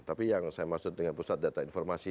tapi yang saya maksud dengan pusat data informasi